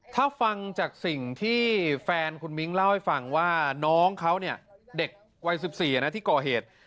ถ้าฟังจากสิ่งที่แฟนคุณมิ้งเล่าให้ฟังว่าน้องเขาเนี่ยเด็กวัย๑๔นะที่ก่อเหตุ